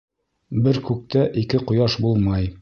Бер күктә ике ҡояш булмай.